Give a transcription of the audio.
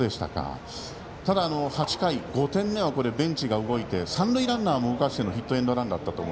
ただ、８回５点目はベンチが動いて三塁ランナーも動かしてのヒットエンドランでした。